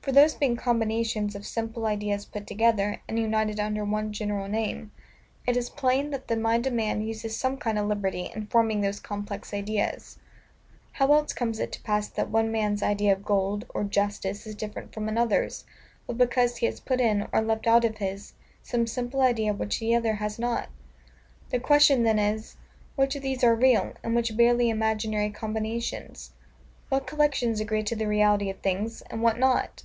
For those being combinations of simple ideas put together, and united under one general name, it is plain that the mind of man uses some kind of liberty in forming those complex ideas: how else comes it to pass that one man's idea of gold, or justice, is different from another's, but because he has put in, or left out of his, some simple idea which the other has not? The question then is, Which of these are real, and which barely imaginary combinations? What collections agree to the reality of things, and what not?